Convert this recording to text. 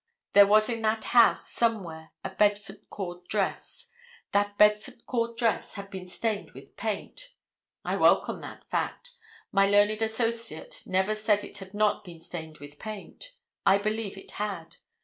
There was in that house somewhere a bedford cord dress. That bedford cord dress had been stained with paint. I welcome that fact. My learned associate never said it had not been stained with paint. I believe it had.